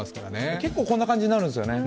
結構こんな感じになるんですよね。